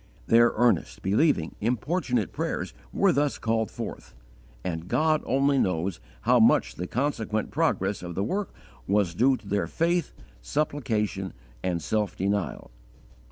Their earnest, believing, importunate prayers were thus called forth, and God only knows how much the consequent progress of the work was due to their faith, supplication, and self denial.